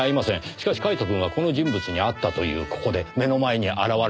しかしカイトくんはこの人物に会ったというここで目の前に現れたと。